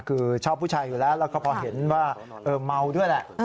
คือชอบผู้ชายอยู่แล้วแล้วก็พอเห็นว่าเมาด้วยแหละ